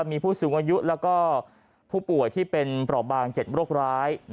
มีผู้สูงอายุและผู้ป่วยที่เป็นประบางเจ็ดโรคร้าย